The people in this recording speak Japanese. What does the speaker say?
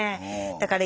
だから